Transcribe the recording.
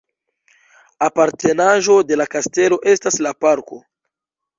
Apartenaĵo de la kastelo estas la parko.